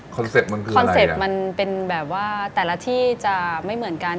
คอนเซ็ปต์มันคืออะไรอ่ะคอนเซ็ปต์มันเป็นแบบว่าแต่ละที่จะไม่เหมือนกัน